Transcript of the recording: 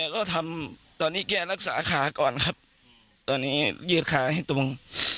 ก็ทำตอนนี้แก้รักษาขาก่อนครับตอนนี้ยืดขาให้ตรง